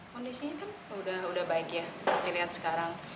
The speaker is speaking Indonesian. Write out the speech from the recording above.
kondisinya kan sudah baik ya seperti dilihat sekarang